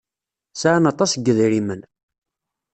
Sɛan aṭas n yedrimen.